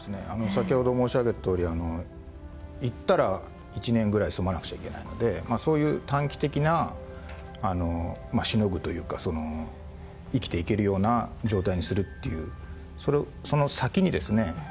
先ほど申し上げたとおり行ったら１年ぐらい住まなくちゃいけないのでそういう短期的なしのぐというかその生きていけるような状態にするっていうその先にですね